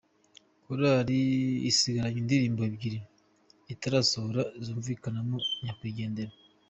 korari isigaranye indirimbo ebyiri itarasohora zizumvikanamo nyakwigendera